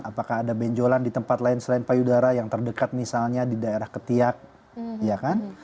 apakah ada benjolan di tempat lain selain payudara yang terdekat misalnya di daerah ketiak ya kan